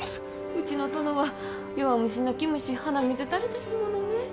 うちの殿は弱虫泣き虫鼻水垂れですものね。